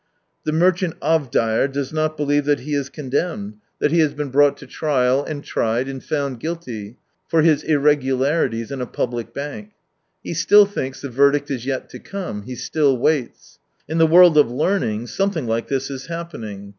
The Merchant Avdeyer does not believe that he is condemned, that he has 80 been brought to trial, and tried, and found guilty, for his irregularities in a public bank. He still thinks the verdict is yet to come — he still waits. In the world of learning some thing like this is happening.